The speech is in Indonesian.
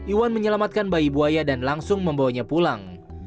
iwan menyelamatkan bayi buaya dan langsung membawanya pulang